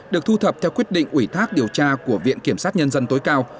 được thu thập theo quyết định ủy thác điều tra của viện kiểm sát nhân dân tối cao